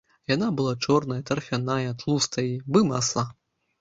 Яна была чорная, тарфяная, тлустая, бы масла.